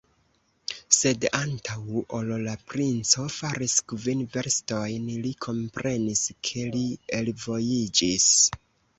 Sed antaŭ ol la princo faris kvin verstojn, li komprenis, ke li elvojiĝis.